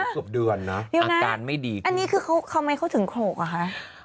เกือบเดือนเนอะอาการไม่ดีอันนี้คือเขาทำไมเขาถึงโขลกอ่ะคะ